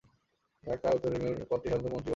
ঢাকা উত্তরের মেয়র পদটি সাধারণত মন্ত্রী পদমর্যাদার।